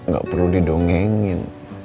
gak perlu didongengin